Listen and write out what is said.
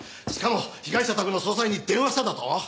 しかも被害者宅の捜査員に電話しただと？